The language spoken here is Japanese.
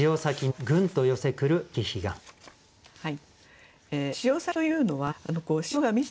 はい。